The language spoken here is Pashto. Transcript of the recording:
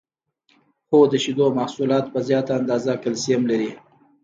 هو د شیدو محصولات په زیاته اندازه کلسیم لري